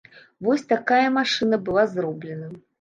Вось такая машына была зроблена.